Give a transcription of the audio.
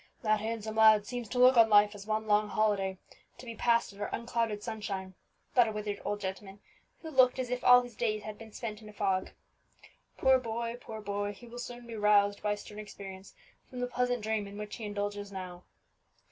"That handsome lad seems to look on life as one long holiday, to be passed under unclouded sunshine," thought a withered old gentleman, who looked as if all his days had been spent in a fog. "Poor boy! poor boy! he will soon be roused, by stern experience, from the pleasant dream in which he indulges now!"